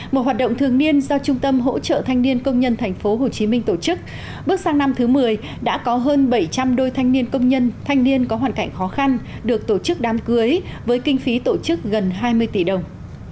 một hoạt động thường niên do trung tâm hỗ trợ thanh niên công nhân tp hcm tổ chức bước sang năm thứ một mươi đã có hơn bảy trăm linh đôi thanh niên công nhân thanh niên có hoàn cảnh khó khăn được tổ chức đám cưới với kinh phí tổ chức gần hai mươi tỷ đồng